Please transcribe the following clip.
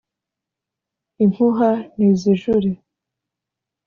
impuha nizijure,